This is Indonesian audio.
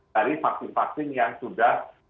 dari vaksin vaksin yang sudah